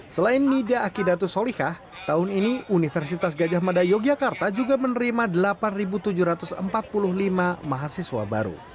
selain nida akidatus solikah tahun ini universitas gajah mada yogyakarta juga menerima delapan tujuh ratus empat puluh lima mahasiswa baru